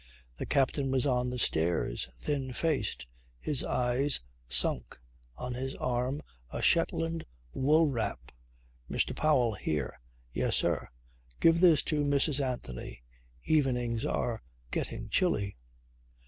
The captain was on the stairs, thin faced, his eyes sunk, on his arm a Shetland wool wrap. "Mr. Powell here." "Yes, sir." "Give this to Mrs. Anthony. Evenings are getting chilly."